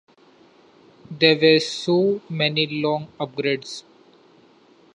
There were so many long upgrades.